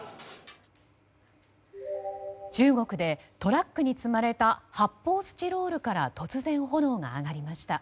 中国でトラックに積まれた発泡スチロールから突然、炎が上がりました。